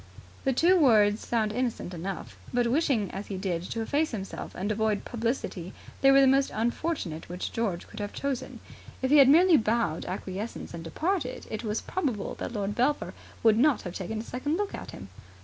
The two words sound innocent enough, but, wishing as he did to efface himself and avoid publicity, they were the most unfortunate which George could have chosen. If he had merely bowed acquiescence and departed, it is probable that Lord Belpher would not have taken a second look at him.